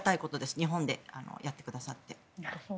日本でやってくださって。